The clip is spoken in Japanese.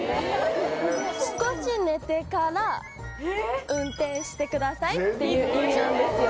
少し寝てから運転してくださいっていう意味なんですよ。